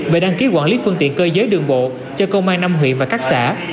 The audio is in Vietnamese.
về đăng ký quản lý phương tiện cơ giới đường bộ cho công an năm huyện và các xã